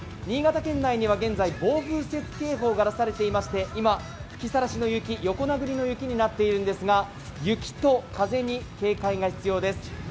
新潟県内には現在、暴風雪警報が出されていまして今、吹きさらしの雪、横殴りの雪となっているんですが雪と風に警戒が必要です。